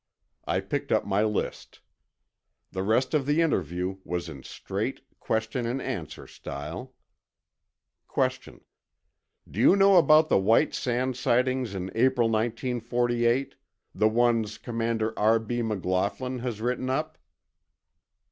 I picked up my list. The rest of the interview was in straight question and answer style: Q. Do you know about the White Sands sightings in April 1948? The ones Commander R. B. McLaughlin has written up?